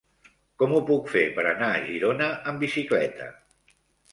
Com ho puc fer per anar a Girona amb bicicleta?